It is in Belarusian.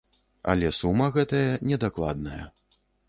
Але сума гэтая недакладная.